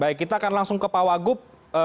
baik kita akan langsung ke pak wagub